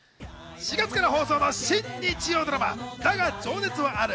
４月から放送の新日曜ドラマ『だが、情熱はある』。